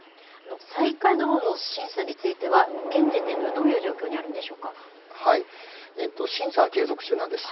再稼働の審査については、現時点ではどういう状況にあるんで審査は継続中なんです。